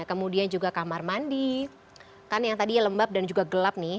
kemudian juga kamar mandi kan yang tadi lembab dan juga gelap nih